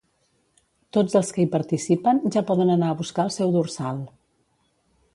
Tots els que hi participen ja poden anar a buscar el seu dorsal.